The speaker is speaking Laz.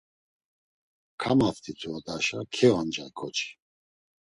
Kamaft̆itu odaşa keoncay ǩoçi.